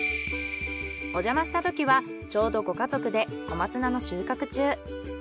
おじゃましたときはちょうどご家族で小松菜の収穫中。